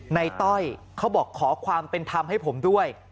ต้อยเขาบอกขอความเป็นธรรมให้ผมด้วย